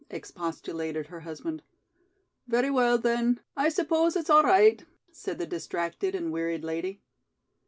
expostulated her husband. "Very well, then. I suppose it's all right," said the distracted and wearied lady.